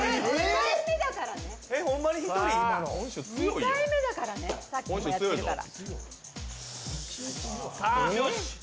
２回目だからね、さっきもやってるから。